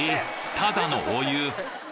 ただのお湯！？